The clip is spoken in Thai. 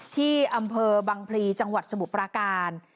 ที่อำเภอบังพลีจังหวัดสมุทรปราการ